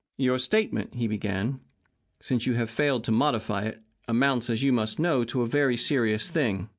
"Your statement," he began, "since you have failed to modify it, amounts, as you must know, to a very serious thing.